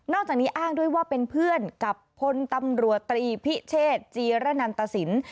จากนี้อ้างด้วยว่าเป็นเพื่อนกับพลตำรวจตรีพิเชษจีระนันตสิน